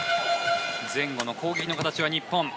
前後の攻撃の形は日本。